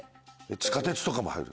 地下鉄とかも入る。